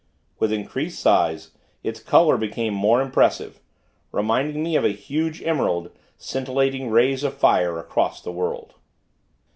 With increased size, its color became more impressive; reminding me of a huge emerald, scintillating rays of fire across the world.